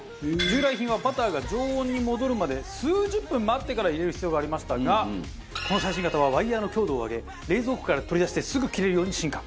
従来品はバターが常温に戻るまで数十分待ってから入れる必要がありましたがこの最新型はワイヤーの強度を上げ冷蔵庫から取り出してすぐ切れるように進化。